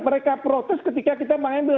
mereka protes ketika kita mengambil